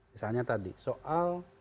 misalnya tadi soal